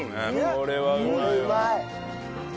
これうまい！